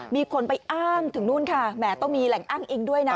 มีคนไปอ้างถึงนู่นค่ะแหมต้องมีแหล่งอ้างอิงด้วยนะ